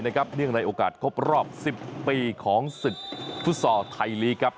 เนื่องในโอกาสครบรอบ๑๐ปีของศึกฟุตซอลไทยลีกครับ